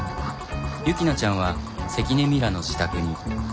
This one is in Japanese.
ユキナちゃんは関根ミラの自宅に。